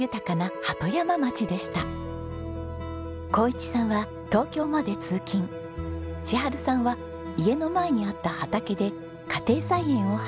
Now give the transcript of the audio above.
紘一さんは東京まで通勤千春さんは家の前にあった畑で家庭菜園を始めます。